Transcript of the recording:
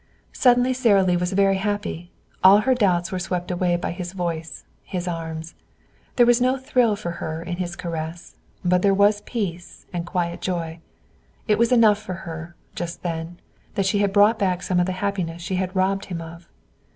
Suddenly Sara Lee was very happy. All her doubts were swept away by his voice, his arms. There was no thrill for her in his caress, but there were peace and quiet joy. It was enough for her, just then, that she had brought back some of the happiness she had robbed him of.